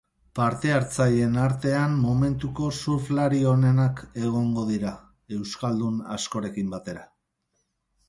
Partehartzaileen artean momentuko surfalri onenak egongo dira, euskaldun askorekin batera.